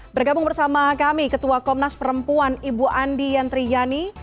bergabung bersama kami ketua komnas perempuan ibu andi yantriyani